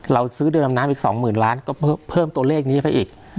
เราซื้อเรือดำน้ำอีก๒๐๐๐ล้านก็เพิ่มตัวเลขนี้ไปอีก